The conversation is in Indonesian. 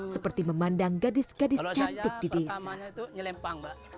seperti memandang gadis gadis cantik di desa